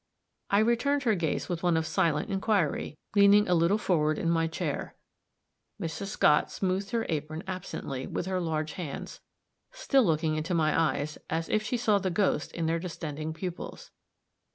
I returned her gaze with one of silent inquiry, leaning a little forward in my chair. Mrs. Scott smoothed her apron absently, with her large hands, still looking into my eyes, as if she saw the ghost in their distending pupils.